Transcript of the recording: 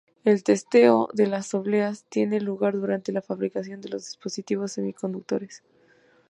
El testeo de las obleas tiene lugar durante la fabricación de los dispositivos semiconductores.